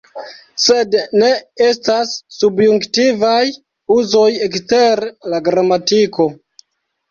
Sed ne estas subjunktivaj uzoj ekster la gramatiko.